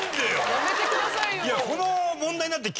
やめてくださいよ。